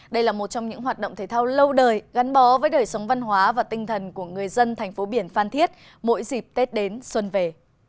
đây là một trong những hoạt động thể thao lâu đời gắn bó với đời sống văn hóa và tinh thần của người dân thành phố biển phan thiết mỗi dịp tết đến xuân về